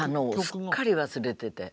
すっかり忘れてて。